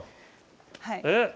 えっ？